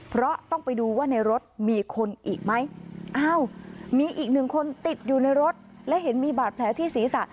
เพราะต้องไปดูว่าในรถมีคนอีกไหมอ้าวมีอีกหนึ่งคนติดอยู่ในรถและเห็นมีบาดแผลที่ศีรษะ